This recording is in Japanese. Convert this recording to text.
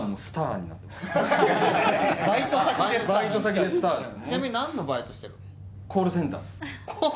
ちなみになんのバイトしてるの？